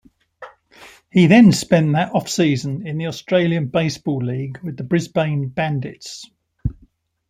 He then spent that off-season in the Australian Baseball League with the Brisbane Bandits.